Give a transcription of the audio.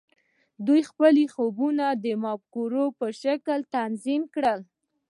دوی خپل خوبونه د مفکورو په شکل تنظیم کړل